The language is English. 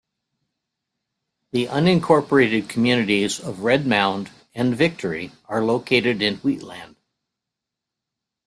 The unincorporated communities of Red Mound, and Victory are located in Wheatland.